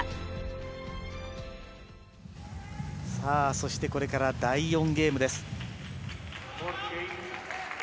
そしてこれから第４ゲームです。